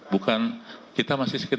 bukan kita masih sekitar